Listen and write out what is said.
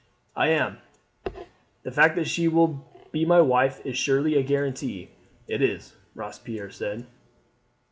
"I am. The fact that she will be my wife is surely a guarantee?" "It is," Robespierre said.